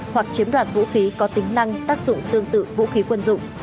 hoặc chiếm đoạt vũ khí có tính năng tác dụng tương tự vũ khí quân dụng